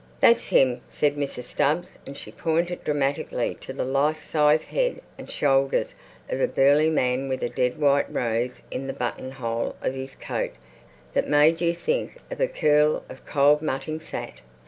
"That's 'im!" said Mrs. Stubbs, and she pointed dramatically to the life size head and shoulders of a burly man with a dead white rose in the buttonhole of his coat that made you think of a curl of cold mutting fat.